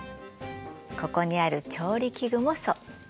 ここにある調理器具もそう。